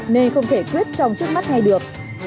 nên không thể quyết trọng trước mắt ngay được